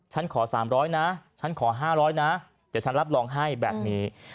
ฉันขอ๓๐๐นะฉันขอ๕๐๐นะเดี๋ยวฉันรับรองให้แบบนี้